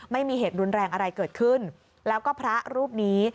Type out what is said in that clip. ไม่มีเหตุรุนแรงอะไรเกิดขึ้นแล้วก็พระรูปนี้